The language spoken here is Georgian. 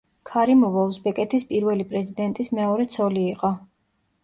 ქარიმოვა უზბეკეთის პირველი პრეზიდენტის მეორე ცოლი იყო.